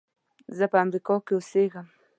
زه په امریکا کې اوسېږم.